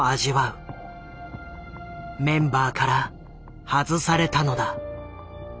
メンバーから外されたのだ。